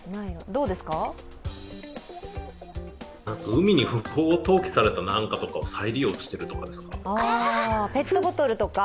海に不法投棄された何かとかを再利用しているとかですか？